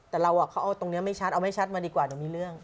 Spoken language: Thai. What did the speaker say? แต่เราเขาเอาตรงนี้ไม่ชัดเอาไม่ชัดมาดีกว่าหนูมีเรื่อง